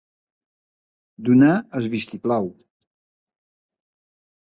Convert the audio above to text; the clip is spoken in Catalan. Donar el vistiplau.